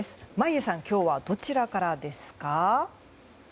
眞家さん、今日はどちらからですか？